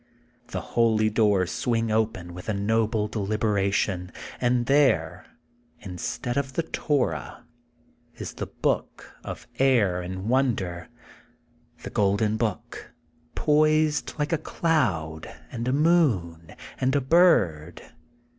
The holy doors swing open with a noble deliberation, and there, instead of the Torah, is The Book of Air and Wonder, — The Golden Book, poised like a cloud and a moon and a bird.